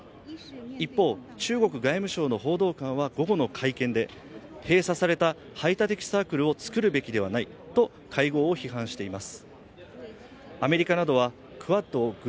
一方、中国外務省の報道官は午後の会見で、閉鎖された排他的サークルを作るべきではないと会合を批判しています。